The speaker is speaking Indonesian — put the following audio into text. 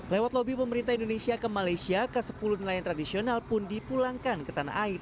lewat lobby pemerintah indonesia ke malaysia ke sepuluh nelayan tradisional pun dipulangkan ke tanah air